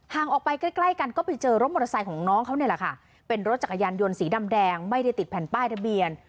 ออกไปใกล้ใกล้กันก็ไปเจอรถมอเตอร์ไซค์ของน้องเขาเนี่ยแหละค่ะเป็นรถจักรยานยนต์สีดำแดงไม่ได้ติดแผ่นป้ายทะเบียน